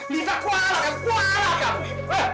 lihatlah kuat alat kamu